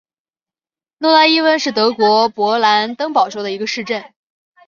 诺伊莱温是德国勃兰登堡州的一个市镇。